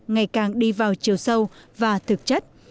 ngày càng đi vào chiều sâu và thực chất